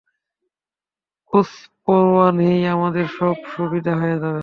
কুছ পরোয়া নেই, আমাদের সব সুবিধা হয়ে যাবে।